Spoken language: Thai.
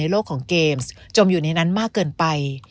โลกของเกมส์จมอยู่ในนั้นมากเกินไป